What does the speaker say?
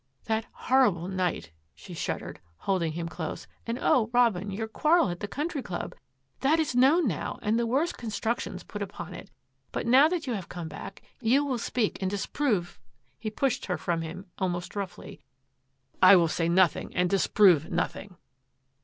" That horrible night !" she shuddered, holding him close, " and, O Robin, your quarrel at the Country Club. That is known now and the worst constructions put upon it, but now that you have come back, you will speak and disprove —^" He pushed her from him almost roughly. " I will say nothing and disprove nothing."